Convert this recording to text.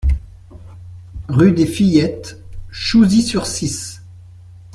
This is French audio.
Rue des Fillettes, Chouzy-sur-Cisse